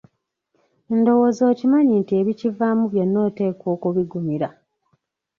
Ndowooza okimanyi nti ebikivaamu byonna oteekwa okubigumira?